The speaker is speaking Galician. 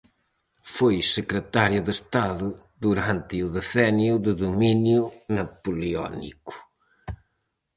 Foi Secretario de Estado durante o decenio de dominio napoleónico.